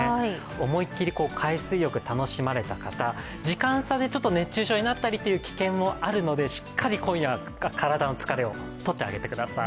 思い切り海水浴楽しまれた方、時間差で熱中症になったりという危険性もあるのでしっかり今夜は体の疲れをとってあげてください。